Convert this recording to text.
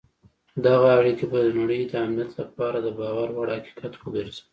دغه اړیکي به د نړۍ د امنیت لپاره د باور وړ حقیقت وګرځي.